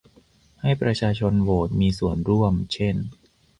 ให้ประชาชนโหวดมีส่วนร่วมเช่น